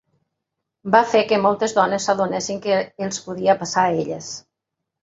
Va fer que moltes dones s'adonessin que els podia passar a elles.